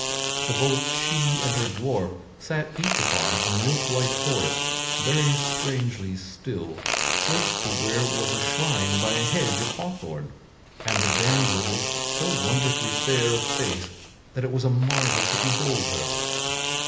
For both she and her dwarf sat each upon a milk white horse, very strangely still, close to where was a shrine by a hedge of hawthorne; and the damsel was so wonderfully fair of face that it was a marvel to behold her.